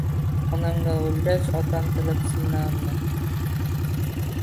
Onam o’lgach otam tilib siynamni